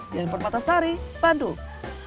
dari permata sari bandung